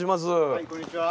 はいこんにちは。